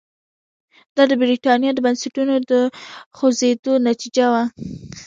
دا د برېټانیا د بنسټونو د خوځېدو نتیجه وه.